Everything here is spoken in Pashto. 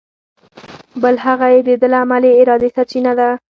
بل هغه یې د ده له ملې ارادې سرچینه اخلي.